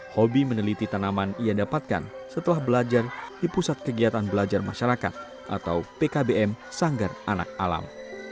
hobi meneliti tanaman ia dapatkan setelah belajar di pusat kegiatan belajar masyarakat atau pkbm sanggar anak alam